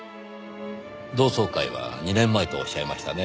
同窓会は２年前とおっしゃいましたねぇ。